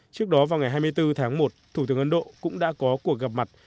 trước đó vào ngày hai mươi bốn tháng một thủ tướng ấn độ cũng đã có cuộc gặp mặt